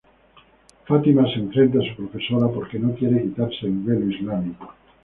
Fátima se enfrenta a su profesora porque no quiere quitarse el velo islámico.